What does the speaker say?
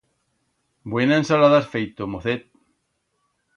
Buena ensalada has feito, mocet!